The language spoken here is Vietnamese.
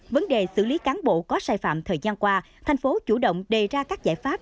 vấn đề xử lý cán bộ có sai phạm thời gian qua thành phố chủ động đề ra các giải pháp